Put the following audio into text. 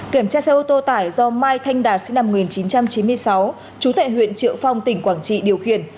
kiểm tra xe ô tô tải do mai thanh đạt sinh năm một nghìn chín trăm chín mươi sáu trú tại huyện triệu phong tỉnh quảng trị điều khiển